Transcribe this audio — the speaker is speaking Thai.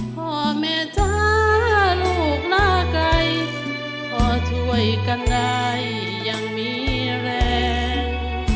พ่อแม่จ้าลูกหน้าไกลพอช่วยกันได้ยังมีแรง